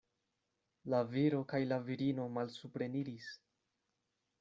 La viro kaj la virino malsupreniris.